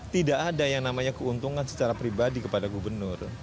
tidak ada yang namanya keuntungan secara pribadi kepada gubernur